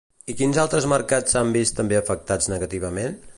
I quins altres mercats s'han vist també afectats negativament?